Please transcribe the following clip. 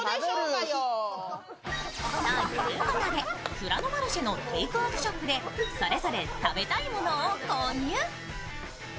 フラノマルシェのテイクアウトショップでそれぞれ食べたいものを購入。